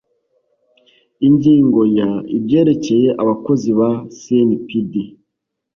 ingingo ya ibyerekeye abakozi ba snpd